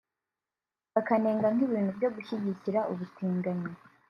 bakanenga nk’ibintu byo gushyigikira ubutinganyi